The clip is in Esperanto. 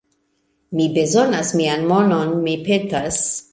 Mi bezonas mian monon, mi petas